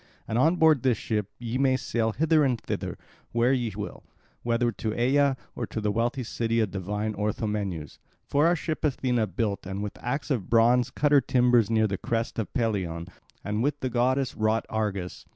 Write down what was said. And on board this ship ye may sail hither and thither, where ye will, whether to Aea or to the wealthy city of divine Orthomenus. For our ship Athena built and with axe of bronze cut her timbers near the crest of Pelion, and with the goddess wrought Argus.